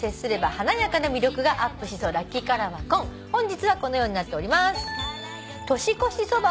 本日はこのようになっております。